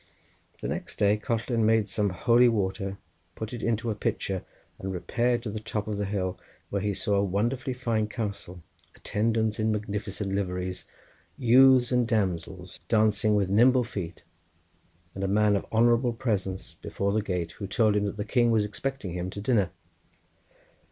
The next day Collen made some holy water, put it into a pitcher and repaired to the top of the hill, where he saw a wonderfully fine castle, attendants in magnificent liveries, youths and damsels dancing with nimble feet, and a man of honourable presence before the gate, who told him that the king was expecting him to dinner.